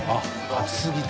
暑すぎて？